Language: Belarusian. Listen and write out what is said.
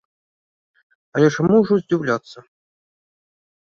Але чаму ўжо здзіўляцца?